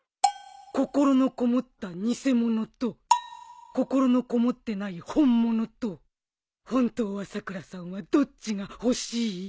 心のこもった偽物と心のこもってない本物と本当はさくらさんはどっちが欲しい？